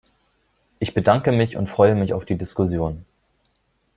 Ich bedanke mich und freue mich auf die Diskussion.